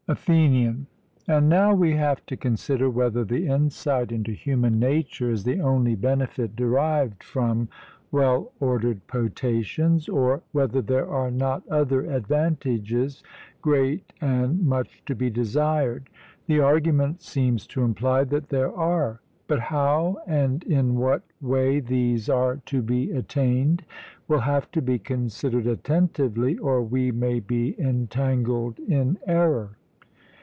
ATHENIAN: And now we have to consider whether the insight into human nature is the only benefit derived from well ordered potations, or whether there are not other advantages great and much to be desired. The argument seems to imply that there are. But how and in what way these are to be attained, will have to be considered attentively, or we may be entangled in error.